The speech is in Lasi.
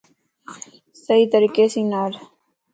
صحيح طريقي سين نار